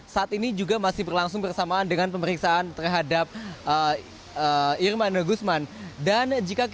saat ini juga masih berlangsung bersamaan dengan pemeriksaan terhadap irman gusman